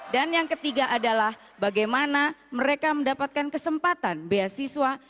dan yang ketiga adalah bagaimana mereka mendapatkan kesempatan beasiswa